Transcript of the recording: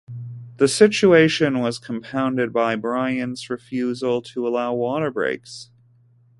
The situation was compounded by Bryant's refusal to allow water breaks.